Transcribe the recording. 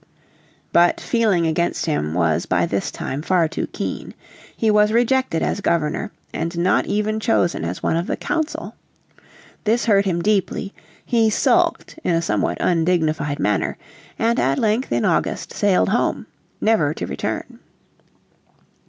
But feeling against him was by this time far too keen. He was rejected as Governor, and not even chosen as one of the Council. This hurt him deeply, he sulked in a somewhat undignified manner, and at length in August sailed home, never to return.